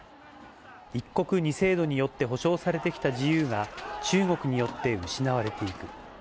一国二制度によって保障されてきた自由が、中国によって失われていく。